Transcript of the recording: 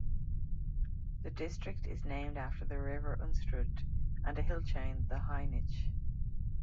The district is named after the river Unstrut and a hill chain, the Hainich.